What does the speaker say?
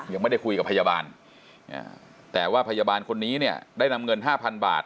ยังไม่ได้คุยกับพยาบาลแต่ว่าพยาบาลคนนี้เนี่ยได้นำเงิน๕๐๐๐บาท